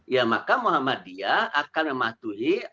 ya maka muhammadiyah akan mematuhi